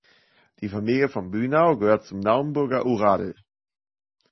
Die Familie von Bünau gehört zum Naumburger Uradel.